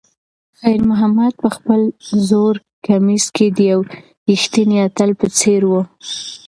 خیر محمد په خپل زوړ کمیس کې د یو ریښتیني اتل په څېر و.